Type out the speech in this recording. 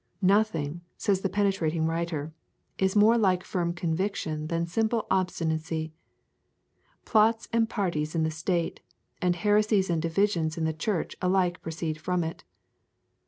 'Nothing,' says a penetrating writer, 'is more like firm conviction than simple obstinacy. Plots and parties in the state, and heresies and divisions in the church alike proceed from it.'